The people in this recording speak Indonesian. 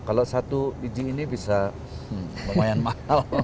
kalau satu izin ini bisa lumayan mahal